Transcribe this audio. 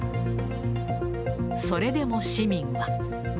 それでも市民は。